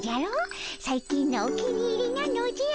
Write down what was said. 最近のお気に入りなのじゃ。